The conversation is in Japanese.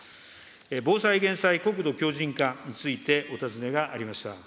防災・減災・国土強じん化についてお尋ねがありました。